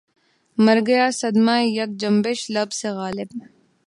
مر گیا صدمۂ یک جنبش لب سے غالبؔ